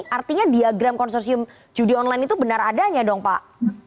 artinya diagram konsorsium judi online itu benar adanya dong pak